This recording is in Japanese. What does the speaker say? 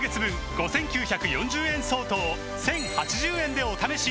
５，９４０円相当を１，０８０円でお試しいただけます